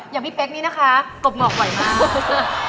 อย่างพี่เป๊กนี่นะคะกบเหงากบ่อยมาก